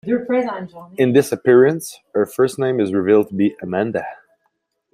In this appearance, her first name is revealed to be Amanda.